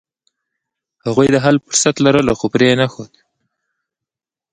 هغوی د حل فرصت لرلو، خو پرې یې نښود.